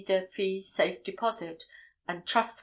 Durfee Safe Deposit and Trust Co.